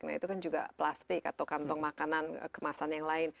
nah itu kan juga plastik atau kantong makanan kemasan yang lain